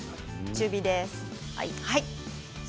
中火です。